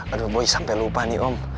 aduh boy sampai lupa nih om